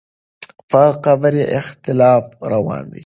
په قبر یې اختلاف روان دی.